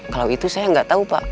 kalau itu saya gak tau pak